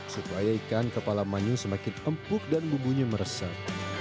supaya ikan kepala manyung semakin empuk dan bumbunya meresap